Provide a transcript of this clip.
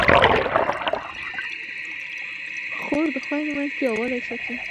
خور د خویندو منځ کې یووالی ساتي.